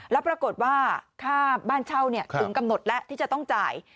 แล้วปรากฏว่าค่าบ้านเช่าถึงกำหนดแล้วที่จะต้องจ่าย